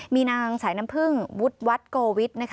มีนางสายน้ำพึ่งวุฒิวัฒน์โกวิทนะคะ